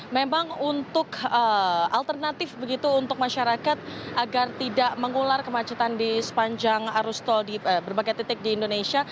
memang untuk alternatif begitu untuk masyarakat agar tidak mengular kemacetan di sepanjang arus tol di berbagai titik di indonesia